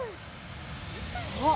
あっ！